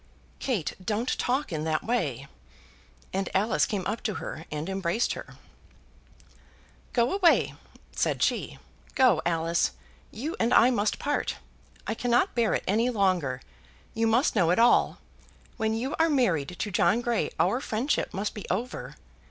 "Kate, don't talk in that way," and Alice came up to her and embraced her. "Go away," said she. "Go, Alice; you and I must part. I cannot bear it any longer. You must know it all. When you are married to John Grey, our friendship must be over.